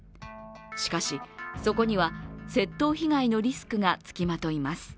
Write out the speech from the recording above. しかし、そこには窃盗被害のリスクがつきまといます。